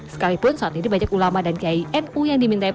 sekalipun saat ini banyak ulama dan kinu yang diminta pendapat